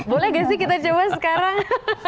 boleh gak sih kita coba sekarang